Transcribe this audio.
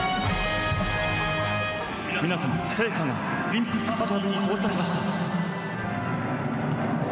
皆様、聖火がオリンピックスタジアムに到着いたしました。